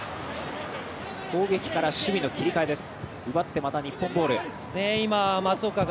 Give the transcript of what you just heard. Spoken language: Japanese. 攻撃から守備の切り替えです。